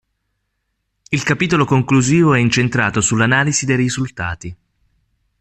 Il capitolo conclusivo è incentrato sull'analisi dei risultati.